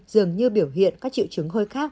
dường như biểu hiện các triệu chứng hơi khác